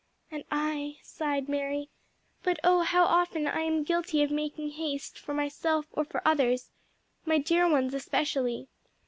"And I," sighed Mary; "but oh how often I am guilty of making haste for myself or for others my dear ones especially.